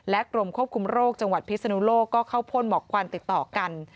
กรมควบคุมโรคจังหวัดพิศนุโลกก็เข้าพ่นหมอกควันติดต่อกัน